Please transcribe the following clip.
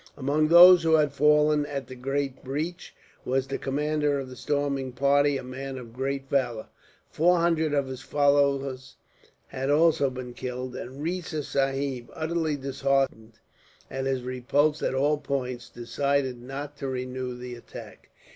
Among those who had fallen, at the great breach, was the commander of the storming party; a man of great valour. Four hundred of his followers had also been killed, and Riza Sahib, utterly disheartened at his repulse at all points, decided not to renew the attack.